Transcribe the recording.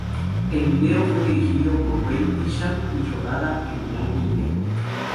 El video fue dirigido por Wayne Isham y rodada en blanco y negro.